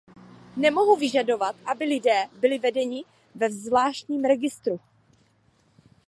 Nemohu vyžadovat, aby lidé byli vedeni ve zvláštním registru.